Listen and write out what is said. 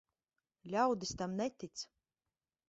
Ļaudis tam netic.